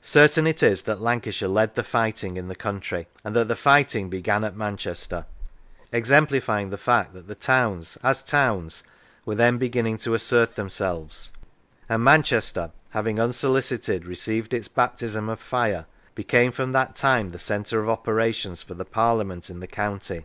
Certain it is that Lancashire led the fighting in the country, and that the fighting began at Manchester; exemplifying the fact that the towns, as towns, were then beginning to assert themselves; and Manchester, having, unsolicited, received its baptism of fire, became from that time the centre of operations for the Parliament in the county.